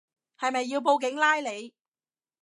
係咪要報警拉你